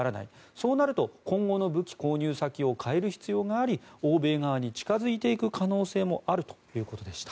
そうなると今後の武器購入先を変える必要があり欧米側に近付いていく可能性もあるということでした。